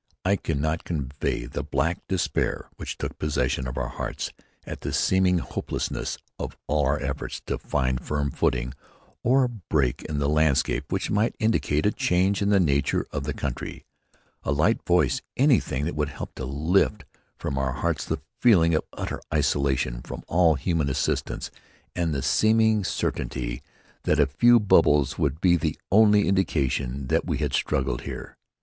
I cannot convey the black despair which took possession of our hearts at the seeming hopelessness of all our efforts to find firm footing or a break in the landscape which might indicate a change in the nature of the country, a light, a voice, anything that would help to lift from our hearts the feeling of utter isolation from all human assistance and the seeming certainty that a few bubbles would be the only indication that we had struggled there.